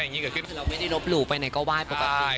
ก็ไม่ได้ลบหลู่ไปไหนก็ว่านไป